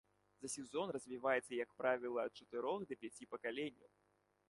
За сезон развіваецца, як правіла, ад чатырох да пяці пакаленняў.